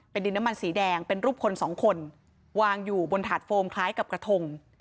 ดินน้ำมันสีแดงเป็นรูปคนสองคนวางอยู่บนถาดโฟมคล้ายกับกระทง